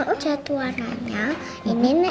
kan cat warnanya ini nih ee